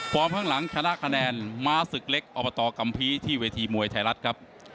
ข้างหลังชนะคะแนนม้าศึกเล็กอบตกัมภีร์ที่เวทีมวยไทยรัฐครับ